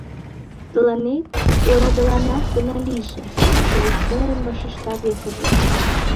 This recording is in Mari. Тыланет орадыланаш гына лийже, — келесырын вашешта весыже.